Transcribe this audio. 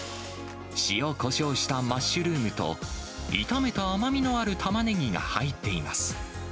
塩こしょうしたマッシュルームと、炒めた甘みのあるタマネギが入っています。